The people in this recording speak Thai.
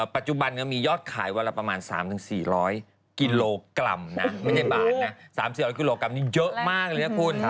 ปัจจุบันก็มียอดขายเวลาประมาณ๓๔๐๐กิโลกรัมไม่ใช่บาทนะมีเยอะมากเลยนะคุณ